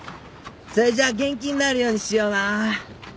それじゃ元気になるようにしような。